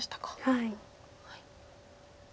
はい。